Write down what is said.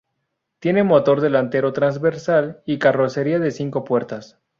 Tiene motor delantero transversal y carrocería de cinco puertas.